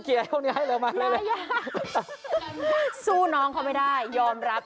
เคลียร์ตรงนี้ให้เริ่มมาเร็วเร็วสู้น้องเขาไม่ได้ยอมรับ